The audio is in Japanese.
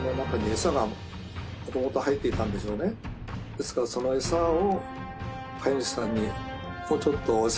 ですからその餌を。